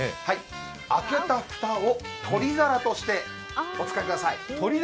開けた蓋を取り皿としてお使いください。